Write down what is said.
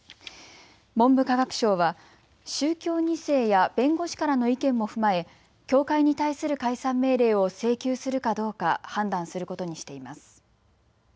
文部科学省は宗教２世や弁護士からの意見も踏まえ教会に対する解散命令を請求するかどうか判断することにしています。